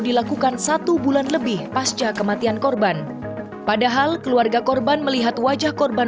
dilakukan satu bulan lebih pasca kematian korban padahal keluarga korban melihat wajah korban